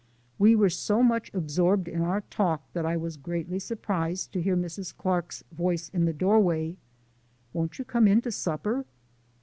We were so much absorbed in our talk that I was greatly surprised to hear Mrs. Clark's voice at the doorway. "Won't you come in to supper?"